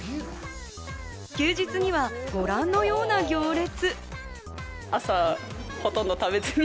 休日にはご覧のような行列。